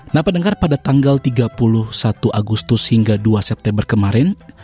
nah pendengar pada tanggal tiga puluh satu agustus hingga dua september kemarin